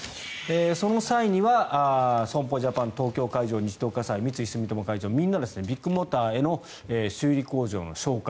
その際には損保ジャパン東京海上日動火災、三井住友海上みんな、ビッグモーターへの修理工場の紹介